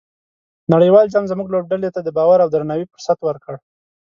نړیوال جام زموږ لوبډلې ته د باور او درناوي فرصت ورکړ.